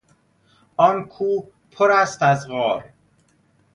آن کوه پر است از غار.